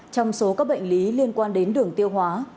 trong số các bệnh lý liên quan đến đường tiêu hóa